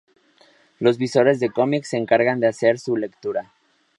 Los visores de cómics se encargan de hacer su lectura.